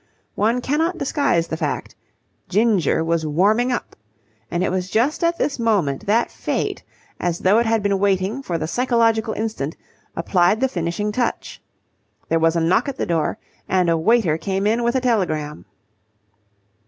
One cannot disguise the fact Ginger was warming up. And it was just at this moment that Fate, as though it had been waiting for the psychological instant, applied the finishing touch. There was a knock at the door, and a waiter came in with a telegram.